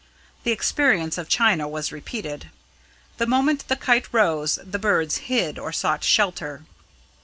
The experience of China was repeated. The moment the kite rose, the birds hid or sought shelter.